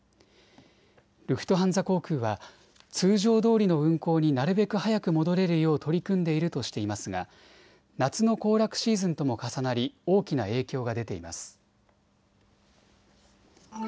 ルフトハンザ航空は通常どおりの運航になるべく早く戻れるよう取り組んでいるとしていますが夏の行楽シーズンとも重なり大きな影響が出ています。